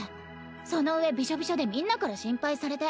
そのうえビショビショでみんなから心配されて。